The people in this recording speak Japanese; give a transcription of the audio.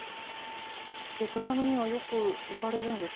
ベトナムにはよく行かれるんですか？